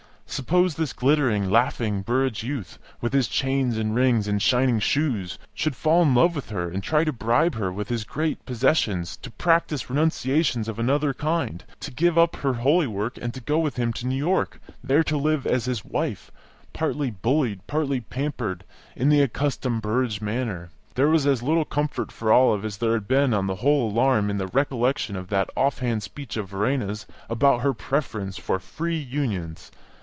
Suppose this glittering, laughing Burrage youth, with his chains and rings and shining shoes, should fall in love with her and try to bribe her, with his great possessions, to practise renunciations of another kind to give up her holy work and to go with him to New York, there to live as his wife, partly bullied, partly pampered, in the accustomed Burrage manner? There was as little comfort for Olive as there had been on the whole alarm in the recollection of that off hand speech of Verena's about her preference for "free unions."